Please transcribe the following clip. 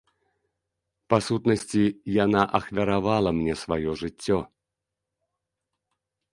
Па сутнасці яна ахвяравала мне сваё жыццё.